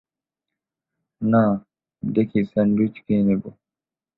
না, দেখি স্যান্ডউইচ খেয়ে নেব।